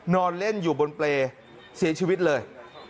นอนเล่นอยู่บนเปรย์เสียชีวิตเลย